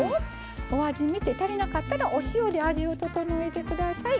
お味が足りなかったらお塩で味を調えてください。